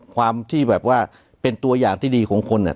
ความที่แบบว่าเป็นตัวอย่างที่ดีของคน